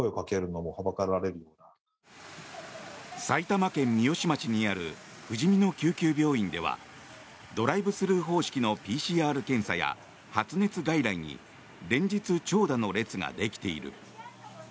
埼玉県三芳町にあるふじみの救急病院ではドライブスルー方式のＰＣＲ検査や発熱外来に連日、長蛇の列ができている。